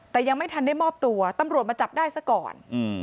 แต่ยังไม่ทันได้มอบตัวตำรวจมาจับได้ซะก่อน